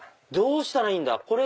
どうしたらいいんだ？